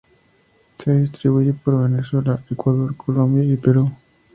Se distribuye por Venezuela, Ecuador, Colombia y Perú.